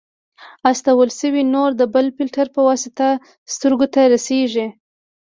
استول شوی نور د بل فلټر په واسطه سترګو ته رارسیږي.